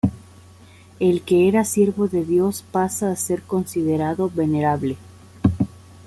El que era Siervo de Dios pasa a ser considerado Venerable.